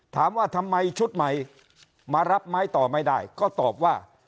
ถามว่าทำไมชุดใหม่มารับไม้ต่อไม่ได้ก็ตอบว่า